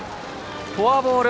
フォアボール。